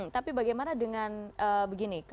tapi bagaimana dengan begini